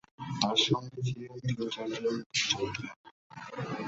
তার সঙ্গে ছিলেন তিন-চারজন মুক্তিযোদ্ধা।